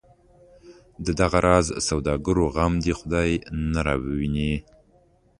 د دغه راز سوداګرو غم دی خدای نه راوویني.